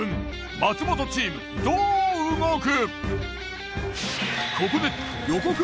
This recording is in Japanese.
松本チームどう動く？